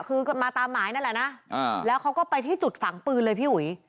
คือมาตามหมายนั่นแหละนะแล้วเขาก็ไปที่จุดฝังปืนเลยพี่อุ๋ย